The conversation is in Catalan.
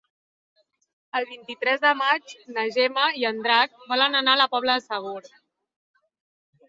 El vint-i-tres de maig na Gemma i en Drac volen anar a la Pobla de Segur.